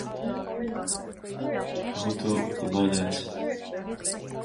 Glacadh leis an gcuireadh.